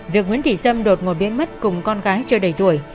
việc nguyễn thị sâm đột ngột biến mất cùng con gái chưa đầy tuổi